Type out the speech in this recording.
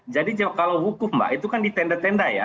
jadi kalau wukuf mbak itu kan di tenda tenda ya